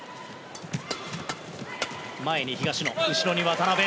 前に東野、後ろに渡辺。